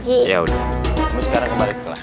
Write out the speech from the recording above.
iyaudah kamu sekarang kembali ke kelas